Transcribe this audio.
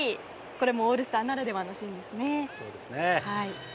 これもオールスターならではのシーンですね。